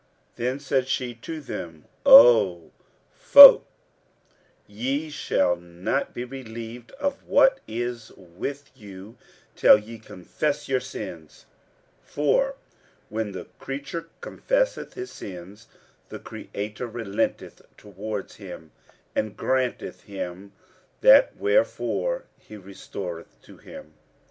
Then said she to them, "Ho folk, ye shall not be relieved of what is with you till ye confess your sins; for, when the creature confesseth his sins the Creator relenteth towards him and granteth him that wherefore he resorteth to him."